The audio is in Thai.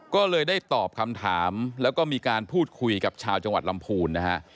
ก็เลยได้ตอบคำถามแล้วก็มีการพูดคุยกับชาวจังหวัดลำพูนนะฮะ